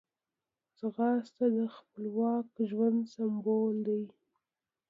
ځغاسته د خپلواک ژوند سمبول دی